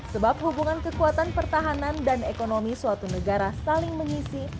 sebab hubungan kekuatan pertahanan dan ekonomi suatu negara saling mengisi